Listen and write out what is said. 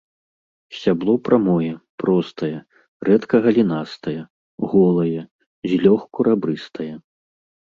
Сцябло прамое, простае, рэдка галінастае, голае, злёгку рабрыстае.